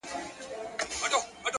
ور نیژدې یوه جاله سوه په څپو کي!